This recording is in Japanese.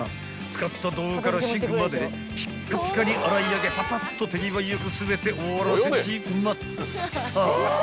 使った道具からシンクまでピッカピカに洗い上げパパッと手際よく全て終わらせちまった］